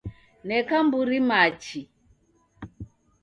Neka mburi machi